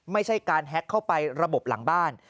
ไม่ใช่การแฮ็กเข้าไประบบหลังบ้าน